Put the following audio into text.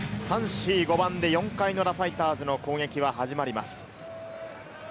３、４、５番で４回裏、ファイターズの攻撃は始まります。